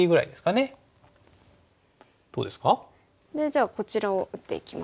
じゃあこちらを打っていきますか。